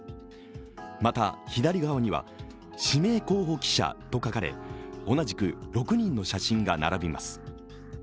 また、左側には指名候補記者と書かれ同じく６人の写真が並びます。